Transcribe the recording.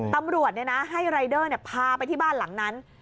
ตำรวจให้รายเดอร์พาไปที่บ้านหลังนั้น